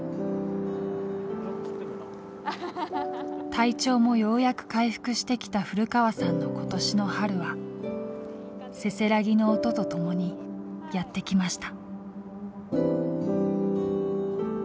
体調もようやく回復してきた古川さんの今年の春はせせらぎの音とともにやって来ました。